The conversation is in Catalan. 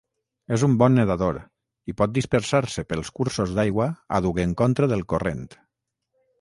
És un bon nedador, i pot dispersar-se pels cursos d'aigua àdhuc en contra del corrent.